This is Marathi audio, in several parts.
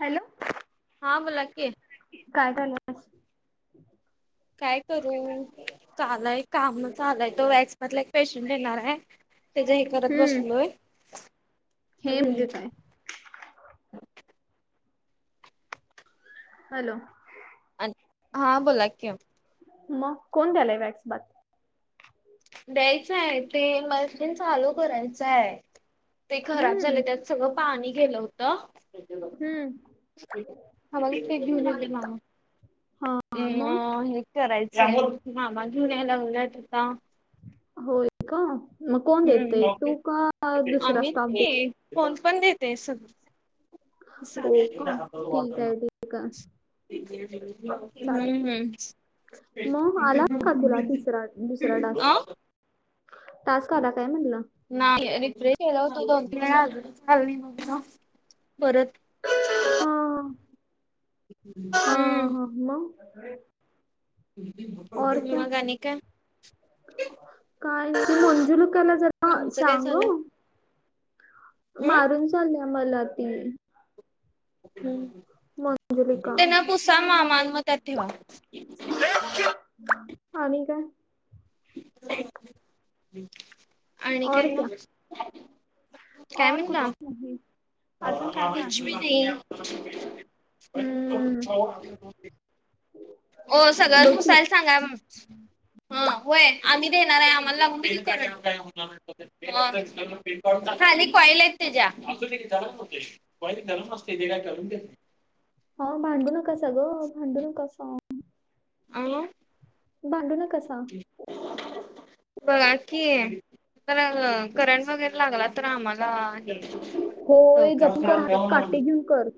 हॅलो हा बोला कि. काय झालं आज? काय करू? चालय कामं चालय. तो वॅक्स मधला एक पेशंट येणार हाय. तेज हे करत हम्म बसलोय. हे म्हणजे काय? हॅलो हां बोला की, मग कोण द्यायलय वॅक्स बाथ द्यायचाय ते मशीन चालू करायचाय ते खराब हम्म झालय त्याचं सगळं पाणी गेलं होत. त्याच्यान हम्म हा मला केक घेऊन ये दे मामा हा मग मं हे करायचा आहेत मामा घेऊन यायलागलेत आता होय का म कोण देतय हम्म तू का दुसरा स्टॉफ देत कोण पण देतय सगळं होय का ठीक हाय ठीक का मग आला का तुला तिसरा दुसरा [unintelligible] हं [inaudible] टास्क आं. टास्क आला काय म्हणला? नाय रिफ्रेश केल होत दोन तीन वेळा अजून परत अ ह अ हम्म ह मंग मग आणि काय? काय ते मोंजुलिकाला जर म तुमचं काय चालंय? मारून चालल्या मला ते हूं मंजुलिका त्यांना पुुसा मामा अन म त्यात ठेवा. आणि काय [unintelligible] आणि और काय म, क्या काय म्हणला [unintelligible] मग ही कुछ भी नही हम्म ओ सगळच बघ की पूसायला सांगा म हं व्हय आम्ही देणार हाय आम्हाला लाग बिल का काय होणार हाय तो म खाली कॉईल आहेत त्याज्या असुदे की जरा [unintelligible] कॉईल नरम असते तेे काय करून देत नाय. हा भांडू नका सा गं भांडू नका सा आवं भांडू नका सा बघा की, तर करंट वगैरे लागला तर आम्हाला हे होय डोक्यात जपून कर ताप हातात काटी घेऊन कर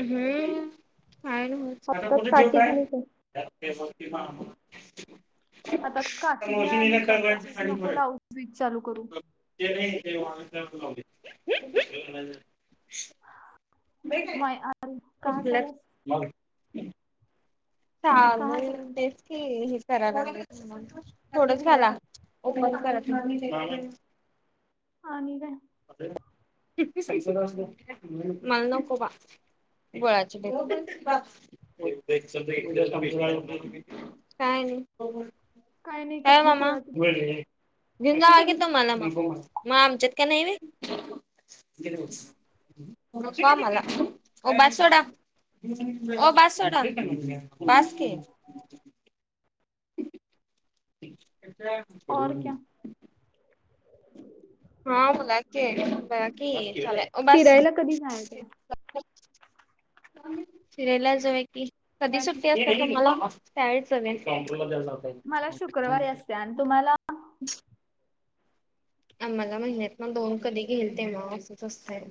हम्म काय नाय होत, आता हातात कुठं ठेव काटे घेऊन काय? कर [unintelligible] वरती मामा हातात काटी घ्या आणि कर कळवायची तसंच साडी नको परत लावू स्विच चालू करून. ते नय ते [unintelligible] जाऊदेत एक नजर नाय आता ला का हसालास मला बी का कहा बई चालास तेच की विचाराला लागलेत म्हणून थोडच घाला आणि काय? अबे मला नको बा गुळाची ढेप काय नई नाही काय ओ कसली मामा कुळाची घिऊन जावा की तुमाला म नको मला, म आमच्यात काय नई व्हय. नको आमाला ओ बास सोडा. ओ बास सोडा बास की. [unintelligible] और क्या. हा बोला की बगा की हे. फिरायला कधी नाही. फिरायला जाऊया की कधी सुट्टी असत्या तुमाला त्या वेळी जाऊया की. मला शुक्रवारी असत्या आणि तुमांन्ना आम्हाला महिन्यातन दोन कधी घेईल तेव्हा असंच असतंय.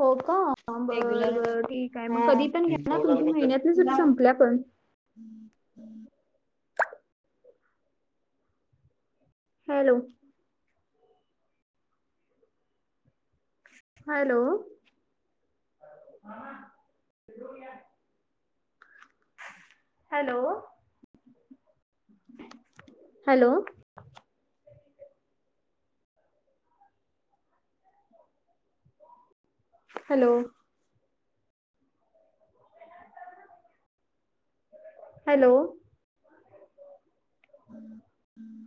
हो का बर रेग्युलर बरं ठीक आहे मग कधी पण घ्या ना तुमची महिन्यातल्या सु हा संपल्या पण. Hello! Hello! Hello hello! Hello! Hello! हम् हम्.